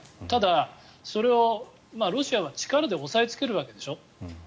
ただ、それをロシアが力で押さえつけるわけでしょ。